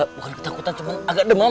bukan ketakutan cuman agak demam